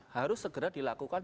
harus segera dilakukan